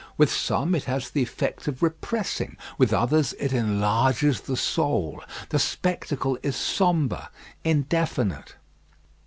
With some it has the effect of repressing; with others it enlarges the soul. The spectacle is sombre, indefinite.